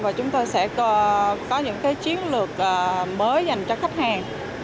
và chúng tôi sẽ có những cái chiến lược mới dành cho khách hàng